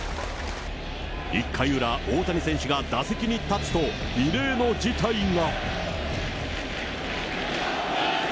１回裏、大谷選手が打席に立つと、異例の事態が。